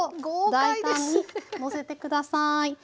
大胆にのせて下さい。